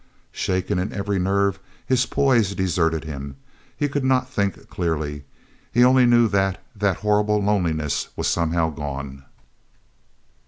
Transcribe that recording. Shaken in every nerve, his poise deserted him. He could not think clearly. He knew only that that horrible loneliness was somehow gone.